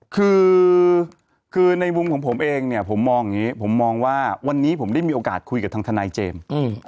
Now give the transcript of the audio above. คือคือในมุมของผมเองเนี่ยผมมองอย่างนี้ผมมองว่าวันนี้ผมได้มีโอกาสคุยกับทางทนายเจมส์